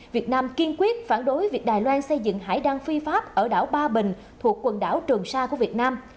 việt nam kiên quyết phản đối việc đài loan xây dựng hải đăng phi pháp ở đảo ba bình thuộc quần đảo trường sa của việt nam